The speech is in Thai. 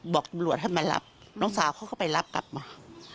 บอกตำรวจให้มารับน้องสาวเขาก็ไปรับกลับมา